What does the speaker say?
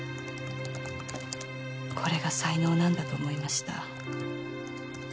これが才能なんだと思いました。